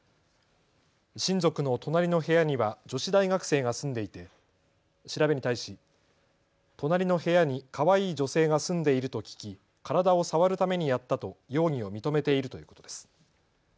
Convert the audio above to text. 親族の隣の部屋には女子大学生が住んでいて調べに対し隣の部屋にかわいい女性が住んでいると聞き、体を触るためにやったと容疑を認めているということです。